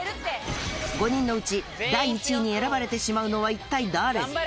５人のうち第１位に選ばれてしまうのは一体誰？